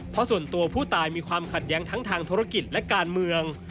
เพราะส่วนตัวผู้ตายมีความขัดแย้งทั้งทางธุรกิจและการเมือง